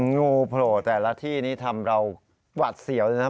งูโผล่แต่ละที่นี่ทำเราหวัดเสียวเลยนะครับ